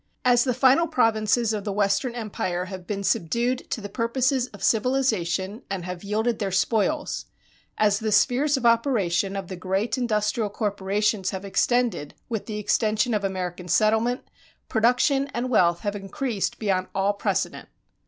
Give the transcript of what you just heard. As the final provinces of the Western empire have been subdued to the purposes of civilization and have yielded their spoils, as the spheres of operation of the great industrial corporations have extended, with the extension of American settlement, production and wealth have increased beyond all precedent.